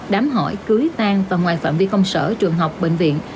đám hỏi cưới tan và ngoài phạm vi công sở trường học bệnh viện